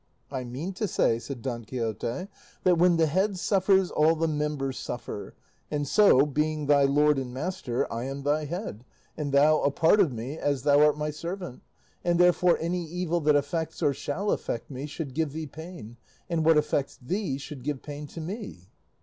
"I mean to say," said Don Quixote, "that when the head suffers all the members suffer; and so, being thy lord and master, I am thy head, and thou a part of me as thou art my servant; and therefore any evil that affects or shall affect me should give thee pain, and what affects thee give pain to me."